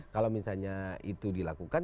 kalau misalnya itu dilakukan